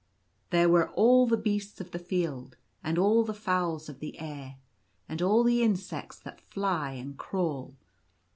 There were all the beasts of the field, and all the fowls of the air, and all the insects that fly and crawl.